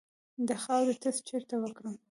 د خاورې ټسټ چیرته وکړم؟